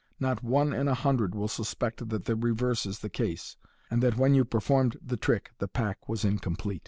Not one in a hundred will suspect that the reverse is the case, and that when yofl performed the trick the pack was incomplete.